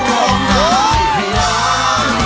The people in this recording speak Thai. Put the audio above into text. ล้อมได้ให้ร้าน